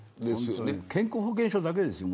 健康保険証だけですよ